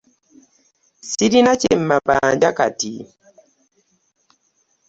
Ssirina na kye mbabanja kati.